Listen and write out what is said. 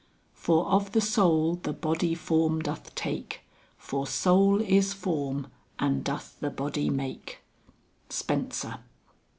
"For of the soul the body form doth take, For soul is form, and doth the body make." SPENSER.